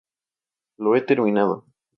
Lo he terminado!